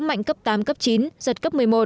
mạnh cấp tám cấp chín giật cấp một mươi một